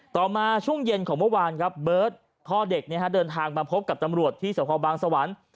ต่อมาช่วงเย็นเมื่อวานเบิร์ดเด็กเดินทางมาพบกับตำรวจที่บางสวรรค์